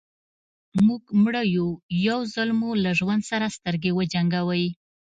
موږ مړه يو يو ځل مو له ژوند سره سترګې وجنګوئ.